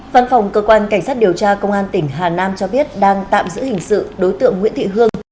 văn phòng cơ quan cảnh sát điều tra công an tỉnh hà nam cho biết đang tạm giữ hình sự đối tượng nguyễn thị hương